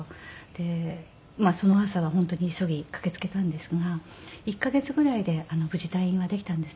でその朝は本当に急ぎ駆けつけたんですが１カ月ぐらいで無事退院はできたんですね。